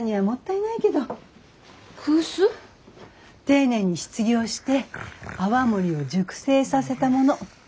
丁寧に仕次ぎをして泡盛を熟成させたもの。